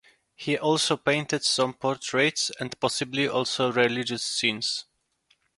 He also painted some portraits and possibly also religious scenes.